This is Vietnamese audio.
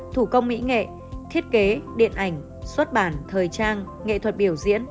thủ công mỹ nghệ thiết kế điện ảnh xuất bản thời trang nghệ thuật biểu diễn